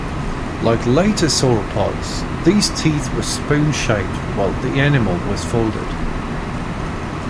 Like later sauropods, these teeth were spoon-shaped, while the enamel was folded.